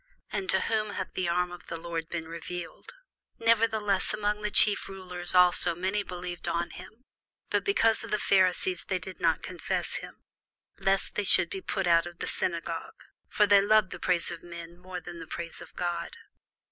and to whom hath the arm of the Lord been revealed? Nevertheless among the chief rulers also many believed on him; but because of the Pharisees they did not confess him, lest they should be put out of the synagogue: for they loved the praise of men more than the praise of God.